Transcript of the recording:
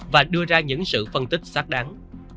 và đưa ra những sự phân tích xác đáng